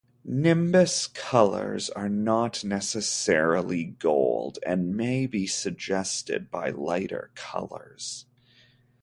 Nimbus colours are not necessarily gold, and may be suggested by lighter colours.